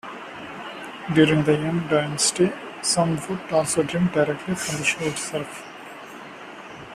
During the Yuan dynasty, some would also drink directly from the shoe itself.